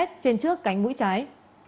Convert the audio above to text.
trên trước cánh mũi trái